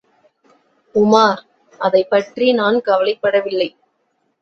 உமார், அதைப்பற்றி நான் கவலைப்படவில்லை.